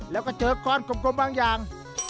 แล้วก็เจอก้อนกลมบางอย่าง